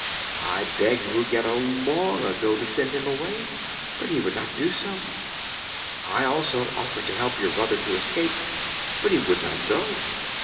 "I begged Ruggedo long ago to send him away, but he would not do so. I also offered to help your brother to escape, but he would not go."